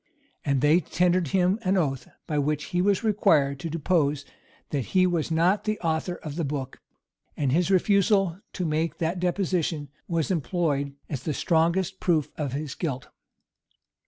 [*] And they tendered him an oath, by which he was required to depose that he was not the author of the book; and his refusal to make that deposition was employed as the strongest proof of his guilt.